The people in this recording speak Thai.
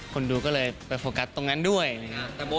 คนดูก็เลยไปโฟร์กัสตรงนั้นด้ง